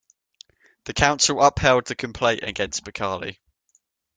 The Council upheld the complaint against Becali.